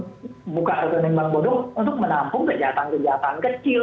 lalu mereka lakukan buka rekening bank bodong untuk menampung kejahatan kejahatan kecil